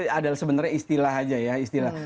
hacking itu sebenarnya istilah aja ya istilah